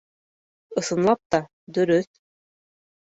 Ысынлап та, дөрөҫ